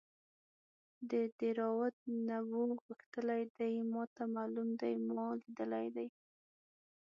د دیراوت نبو غښتلی دی ماته معلوم دی ما لیدلی دی.